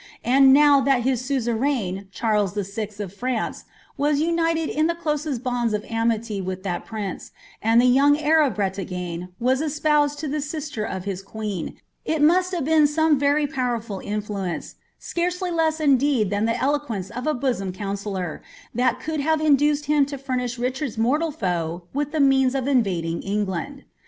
and now that his suzerain, Charles VI. of Fnnc united in the closest bonds of amity with that prince, and the j heir of Bretagne was espoused to the sister of his queen, it oiai been some very powerful influence, scarcely less iadeed than ih quence of a bosom counsellor, that could have induced hint to fll Richard's mortal foe with the means of invading England.